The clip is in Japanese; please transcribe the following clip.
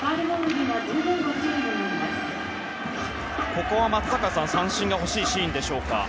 ここは、松坂さん三振が欲しいシーンでしょうか。